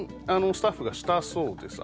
スタッフがしたそうです